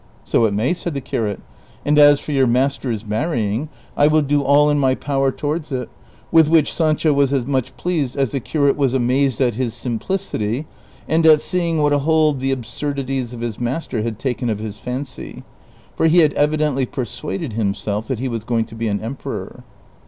" So it may," said the curate ;" and as for your master's marrying, I will do all in my power towards it :" with which Sancho was as much pleased as the curate was amazed at his simplicity and at seeing what a hold the absurdities of his master had taken of his fancy, for he had evidently persuaded himself that he was going to be an emperor.